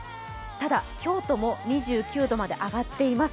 ただ京都も２９度まで上がっています。